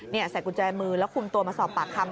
นี่ใส่กุญแจมือแล้วคุมตัวมาสอบปากคำ